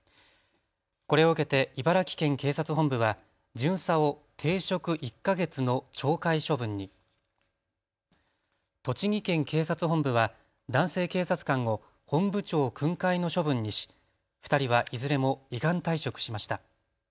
これを受けて茨城県警察本部は巡査を停職１か月の懲戒処分に、栃木県警察本部は男性警察官を本部長訓戒の処分にし２人はいずれも依願退職しました。